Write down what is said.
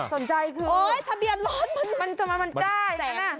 สนใจคือมันจะมามันได้นะโอ๊ยทะเบียนรถ